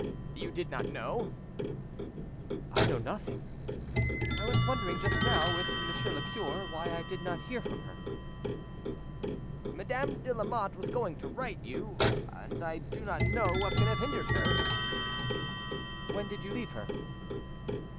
"You did not know?" "I know nothing. I was wondering just now with Monsieur le cure why I did not hear from her." "Madame de Lamotte was going to write to you, and I do not know what can have hindered her." "When did you leave her?"